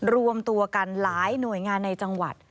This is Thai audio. รวมตัวกันหลายหน่วยงานในจังหวัด